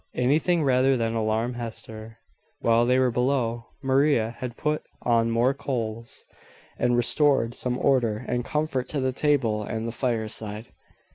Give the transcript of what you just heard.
Anything rather than alarm Hester. While they were below, Maria had put on more coals, and restored some order and comfort to the table and the fireside.